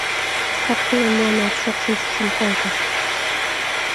Кап-кылемланат шокшын чучын колтыш.